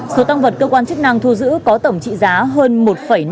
số tăng vật cơ quan chức năng thu giữ có tổng trị giá hơn một năm tỷ